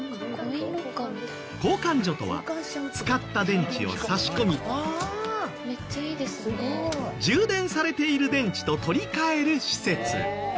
交換所とは使った電池を差し込み充電されている電池と取り換える施設。